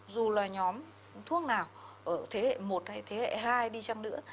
dù là nhóm thuốc nào ở thế hệ một hay thế hệ hai đi chăng nữa